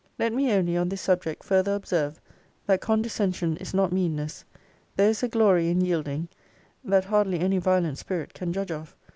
'Let me only, on this subject, further observe, that condescension is not meanness. There is a glory in yielding, that hardly any violent spirit can judge of.